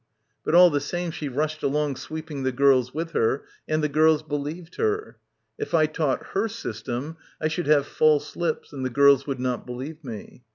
But all the same, she rushed along sweeping the girls with her ... and the girls believed her. If I taught her system I should have false lips and the girls would not believe me.